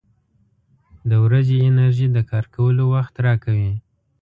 • د ورځې انرژي د کار کولو وخت راکوي.